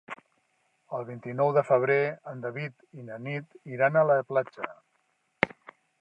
El vint-i-nou de febrer en David i na Nit iran a la platja.